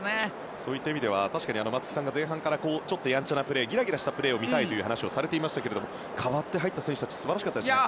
そういった意味では確かに松木さんが前半からちょっとやんちゃなプレーギラギラしたプレーを見たいと話していましたが代わって入った選手たち素晴らしかったですね。